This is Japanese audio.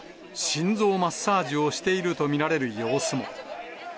心臓マッサージをしていると見られる様子も。